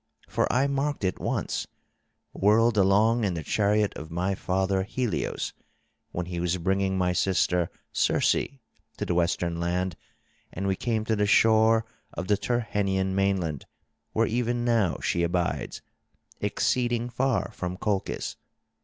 For I marked it once, whirled along in the chariot of my father Helios, when he was bringing my sister Circe to the western land and we came to the shore of the Tyrrhenian mainland, where even now she abides, exceeding far from Colchis.